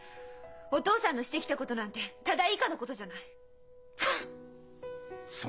お父さんのしてきたことなんて「ただ」以下のことじゃない！